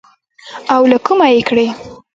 او له کومه يې کړې.